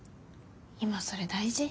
今それ大事？